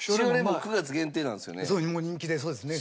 そう人気でそうですね。